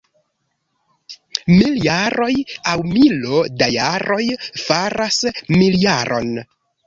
Mil jaroj, aŭ milo da jaroj, faras miljaron.